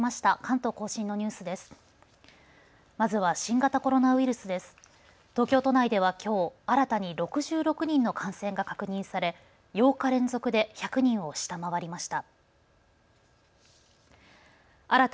東京都内ではきょう、新たに６６人の感染が確認され８日連続で１００人を下回りました。